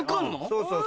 そうそう。